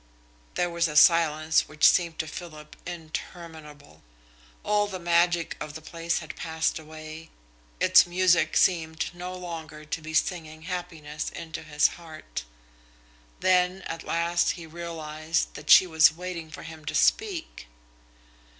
There was a silence which seemed to Philip interminable. All the magic of the place had passed away, its music seemed no longer to be singing happiness into his heart. Then at last he realised that she was waiting for him to speak.